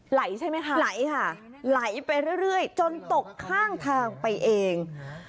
ไหลใช่ไหมคะไหลค่ะไหลไปเรื่อยจนตกข้างทางไปเอง